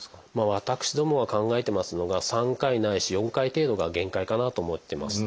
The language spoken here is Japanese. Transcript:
私どもが考えてますのが３回ないし４回程度が限界かなと思ってます。